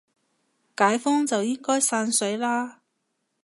解封就應該散水啦